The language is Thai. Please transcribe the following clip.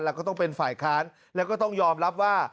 แล้วก็ต้องเป็นฝ่ายค้านแล้วก็ต้องยอมรับว่า